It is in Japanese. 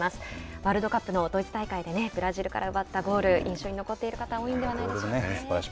ワールドカップのドイツ大会でブラジルから奪ったゴール印象に残っている方多いんではないでしょうか。